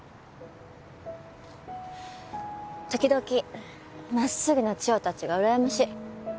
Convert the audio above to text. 時々真っすぐな千代たちがうらやましい。